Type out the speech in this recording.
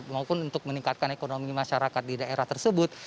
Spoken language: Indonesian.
maupun untuk meningkatkan ekonomi masyarakat di daerah tersebut